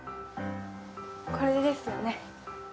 これですよね？